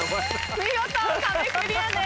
見事壁クリアです。